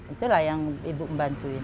itulah yang ibu membantuin